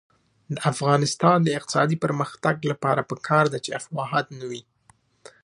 د افغانستان د اقتصادي پرمختګ لپاره پکار ده چې افواهات نه وي.